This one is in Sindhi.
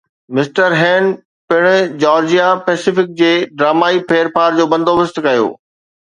مسٽر هيئن پڻ جارجيا پئسفڪ جي ڊرامائي ڦيرڦار جو بندوبست ڪيو